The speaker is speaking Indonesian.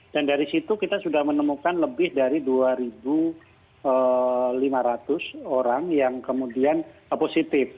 dan dari situ kita sudah menemukan lebih dari dua lima ratus orang yang kemudian positif